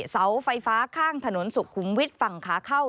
เสาไฟฟ้าข้างถนนสุขุมวิทย์ฝั่งขาเข้า